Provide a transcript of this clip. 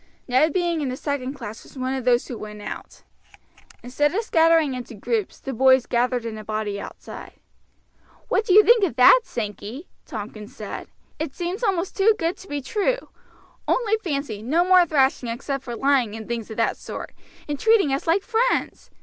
Ned being in the second class was one of those who went out. Instead of scattering into groups, the boys gathered in a body outside. "What do you think of that, Sankey?" Tompkins said. "It seems almost too good to be true. Only fancy, no more thrashing except for lying and things of that sort, and treating us like friends!